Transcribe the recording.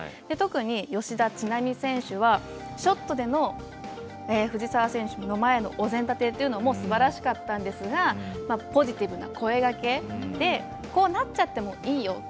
特に吉田知那美選手はショットでの藤澤選手の前のお膳立てというのもすばらしかったんですがポジティブな声掛けでこうなっちゃってもいいよ。